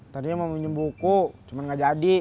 tadinya mau minum buku cuma gak jadi